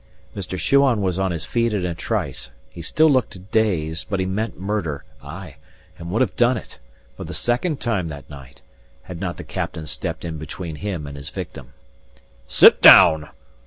Mr. Shuan was on his feet in a trice; he still looked dazed, but he meant murder, ay, and would have done it, for the second time that night, had not the captain stepped in between him and his victim. "Sit down!"